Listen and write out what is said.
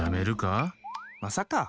まさか！